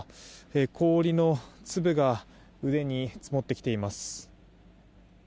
氷の粒が上に積もってきています。